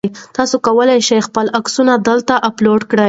تاسي کولای شئ خپل عکسونه دلته اپلوډ کړئ.